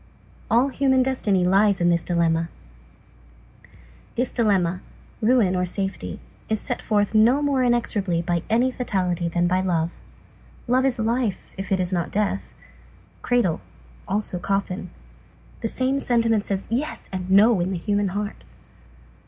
All human destiny lies in this dilemma. This dilemma, ruin, or safety, is set forth no more inexorably by any fatality than by love. Love is life, if it is not death. Cradle; also coffin. The same sentiment says "yes" and "no" in the human heart.